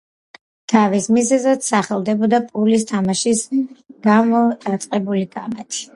დავის მიზეზად სახელდებოდა პულის თამაშის გამო დაწყებული კამათი.